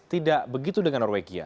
tidak begitu dengan norwegia